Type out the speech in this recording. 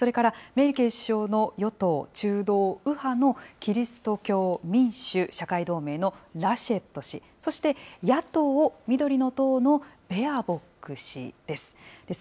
それからメルケル首相の与党、中道右派のキリスト教民主・社会同盟のラシェット氏、野党・緑の党のベアボック氏です。